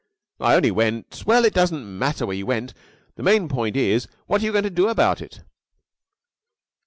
"I only went " "Well, it doesn't matter where you went. The main point is, what are you going to do about it?"